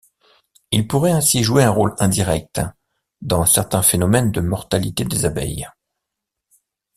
Il pourrait ainsi jouer un rôle indirect dans certains phénomènes de mortalité des abeilles.